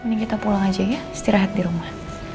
mending kita pulang aja ya istirahat di rumah